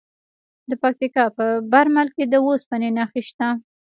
د پکتیکا په برمل کې د اوسپنې نښې شته.